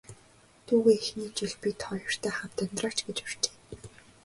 Дүүгээ эхний жил бид хоёртой хамт амьдраач гэж урьжээ.